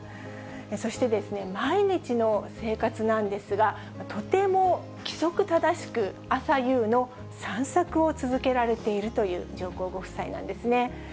そして毎日の生活なんですが、とても規則正しく、朝夕の散策を続けられているという上皇ご夫妻なんですね。